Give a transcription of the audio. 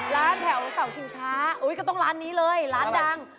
แถวเสาชิงช้าก็ต้องร้านนี้เลยร้านดัง